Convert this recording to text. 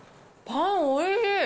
パンおいしい。